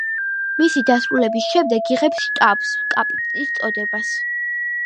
მისი დასრულების შემდეგ იღებს შტაბს კაპიტნის წოდებას.